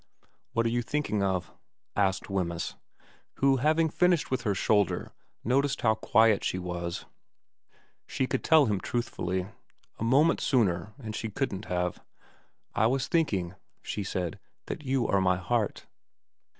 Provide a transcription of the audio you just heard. ' What are you thinking of ?' asked Wemyss, who hav ing finished with her shoulder noticed how quiet she was. She could tell him truthfully ; a moment sooner and she couldn't have. ' I was thinking,' she said, ' that you are my heart.'